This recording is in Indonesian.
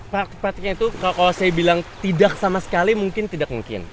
praktik praktiknya itu kalau saya bilang tidak sama sekali mungkin tidak mungkin